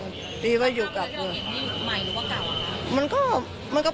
พูดสิทธิ์ข่าวธรรมดาทีวีรายงานสดจากโรงพยาบาลพระนครศรีอยุธยาครับ